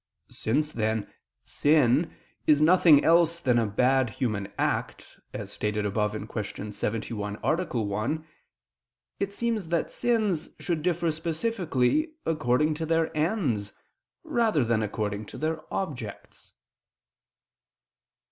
Since then sin is nothing else than a bad human act, as stated above (Q. 71, A. 1), it seems that sins should differ specifically according to their ends rather than according to their objects.